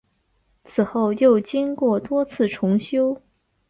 以后又经过多次重修。